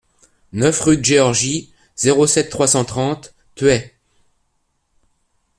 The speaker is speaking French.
neuf rue de Georgie, zéro sept, trois cent trente Thueyts